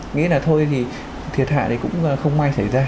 nghĩ là thôi thì thiệt hại thì cũng không may xảy ra